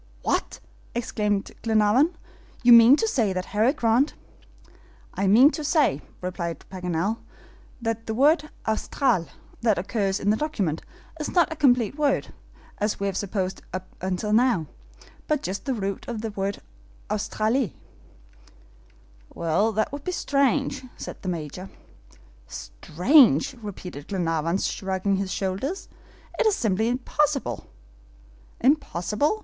"What!" exclaimed Glenarvan, "you mean to say that Harry Grant " "I mean to say," replied Paganel, "that the word AUSTRAL that occurs in the document is not a complete word, as we have supposed up till now, but just the root of the word AUSTRALIE." "Well, that would be strange," said the Major. "Strange!" repeated Glenarvan, shrugging his shoulders; "it is simply impossible." "Impossible?"